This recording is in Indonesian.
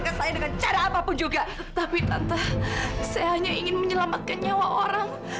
beberapa tamu di sini mbak coachora